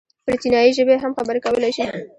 پر چينايي ژبې هم خبرې کولی شي.